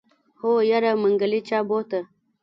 هو يره منګلی چا بوته.